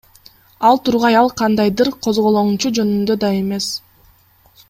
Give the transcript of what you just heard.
Ал тургай ал кандайдыр козголоңчу жөнүндө да эмес.